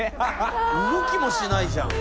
「動きもしないじゃん」